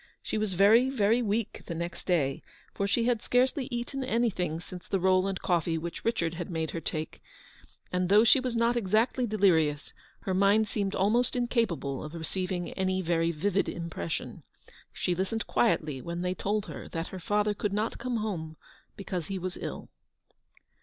She was very, very weak the next day, for she had scarcely eaten anything since the roll and coffee which Richard had made her take ; and though she was not 154 exactly delirious, her mind seemed almost in capable of receiving any very vivid impression. She listened quietly when they told her that her father could not come home because he was ill.